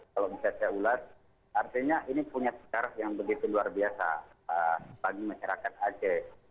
kalau bisa saya ulas artinya ini punya sejarah yang begitu luar biasa bagi masyarakat aceh